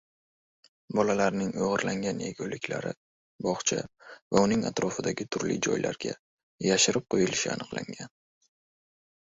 Bolalarning oʻgʻirlangan yeguliklari bogʻcha va uning atrofidagi turli joylarga yashirib qoʻyilishi aniqlangan.